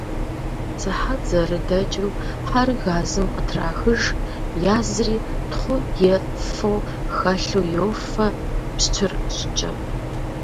Сыхьэт зэрыдэкӏыу, хьэр газым къытрахыж, язри, тхъу е фо хэлъу йофэ пщтыр щӏыкӏэ.